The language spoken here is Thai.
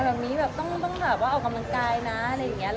แบบนี้แบบต้องแบบว่าออกกำลังกายนะอะไรอย่างนี้